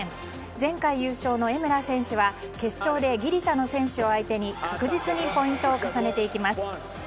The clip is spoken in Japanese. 前回優勝の江村選手は決勝でギリシャの選手を相手に確実にポイントを重ねていきます。